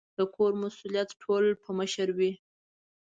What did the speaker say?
د کور مسؤلیت ټول په مشر وي